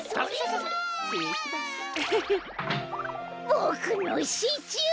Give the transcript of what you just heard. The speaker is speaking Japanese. ボクのシチュー。